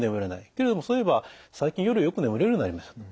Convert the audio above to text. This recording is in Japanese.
けれどもそういえば最近夜よく眠れるようになりましたと。